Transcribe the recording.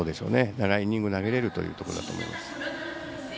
長いイニングを投げられるということだと思います。